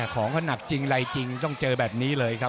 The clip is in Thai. ของเขาหนักจริงอะไรจริงต้องเจอแบบนี้เลยครับ